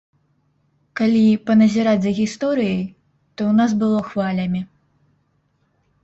Калі паназіраць за гісторыяй, то ў нас было хвалямі.